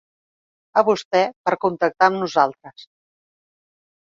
A vostè per contactar amb nosaltres.